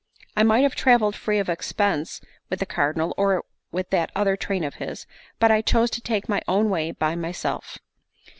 I might have travelled free of expense with the Cardinal or with that other train of his, but I chose to take my own way by myself.